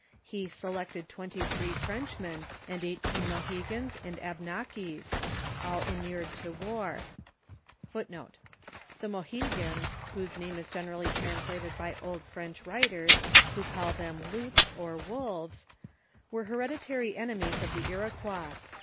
He selected twenty three Frenchmen, and eigbSl^ Mohegans and Abnakis,* all inured to war. The latter iti* ;• The Mohegans, whose name is generally translated by old French writers^ who call them "Zoups," or "Wolves," were hereditary enemies of the Iroquois.